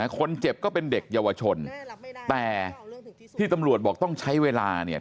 คนเจ็บก็เป็นเด็กเยาวชนแต่ที่ตำรวจบอกต้องใช้เวลาเนี่ย